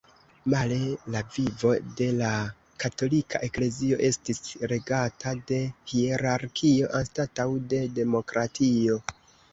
Male la vivo de la katolika eklezio estis regata de hierarkio anstataŭ de demokratio.